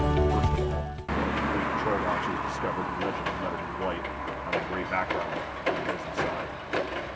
First of all, one of the fleet patrol launches discovered the legend lettered in white, on a gray background, on the Lizon's side.